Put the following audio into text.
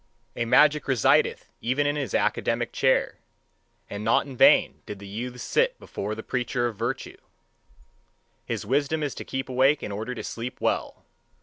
A magic resideth even in his academic chair. And not in vain did the youths sit before the preacher of virtue. His wisdom is to keep awake in order to sleep well.